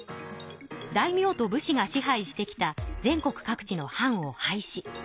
大名と武士が支配してきた全国各地の藩を廃止。